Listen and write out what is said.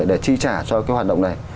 để chi trả cho cái hoạt động này